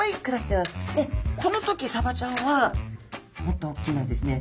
でこの時サバちゃんはもっと大きなですね